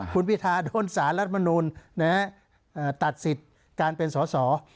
คุณพิธาโดนสารรัฐมนูลตัดสิทธิ์การเป็นสอสอ